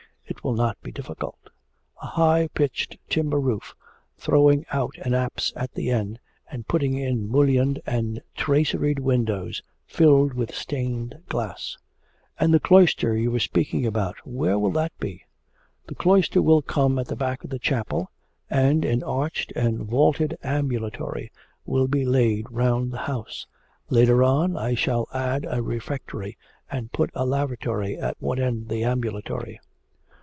It will not be difficult. A high pitched timber roof, throwing out an apse at the end, and putting in mullioned and traceried windows filled with stained glass.' 'And the cloister you are speaking about where will that be?' 'The cloister will come at the back of the chapel, and an arched and vaulted ambulatory will be laid round the house. Later on I shall add a refectory, and put a lavatory at one end of the ambulatory.'